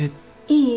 いい？